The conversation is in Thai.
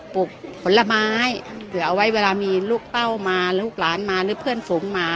ปลูกผลไม้เผื่อเอาไว้เวลามีลูกเป้ามาลูกหลานมาหรือเพื่อนฝูงมา